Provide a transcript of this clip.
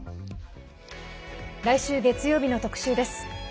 来週、月曜日の特集です。